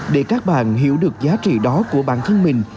để các bạn hiểu được giá trị đó của bản thân mình